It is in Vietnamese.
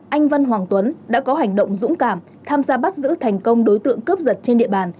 anh văn hoàng tuấn đã có hành động dũng cảm tham gia bắt giữ thành công đối tượng cướp giật trên địa bàn